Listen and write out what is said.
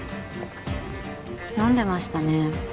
飲んでましたね